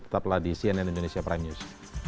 tetaplah di cnn indonesia prime news